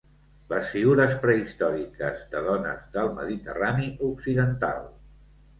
Les figures prehistòriques de dones del Mediterrani occidental.